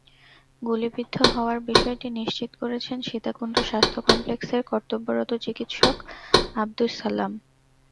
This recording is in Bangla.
গুলিবিদ্ধ হওয়ার বিষয়টি নিশ্চিত করেছেন সীতাকুণ্ড স্বাস্থ্য কমপ্লেক্সের কর্তব্যরত চিকিৎসক আবদুছ ছালাম।